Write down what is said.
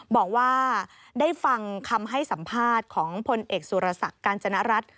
บอกว่าได้ฟังคำให้สัมภาษณ์ของพลเอกสุรศักดิ์กาญจนรัฐ